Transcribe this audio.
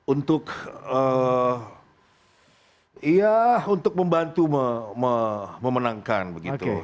untuk ya untuk membantu memenangkan begitu